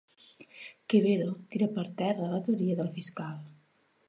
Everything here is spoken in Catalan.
Quevedo tira per terra la teoria del fiscal